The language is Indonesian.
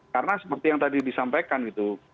karena seperti yang tadi disampaikan gitu